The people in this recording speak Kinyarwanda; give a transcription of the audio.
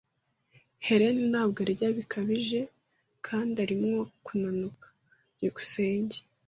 Helen ntabwo arya bihagije kandi arimo kunanuka. byukusenge